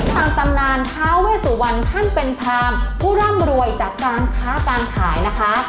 ตำนานท้าเวสุวรรณท่านเป็นพรามผู้ร่ำรวยจากการค้าการขายนะคะ